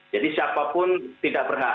jadi siapapun tidak berhak